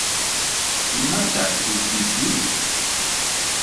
¿Imataq hutiyki?